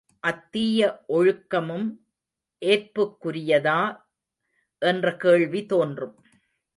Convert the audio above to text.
அத்தீய ஒழுக்கமும் ஏற்புக்குரியதா என்ற கேள்வி தோன்றும்.